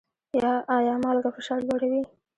ایا مالګه فشار لوړوي؟